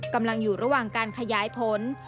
กำลังอยู่ระหว่างการขยายผล